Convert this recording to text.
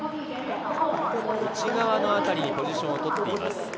内側の辺りにポジションを取っています。